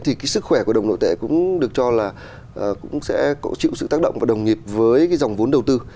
thì cái sức khỏe của đồng nội tệ cũng được cho là cũng sẽ chịu sự tác động và đồng nghiệp với cái dòng vốn đầu tư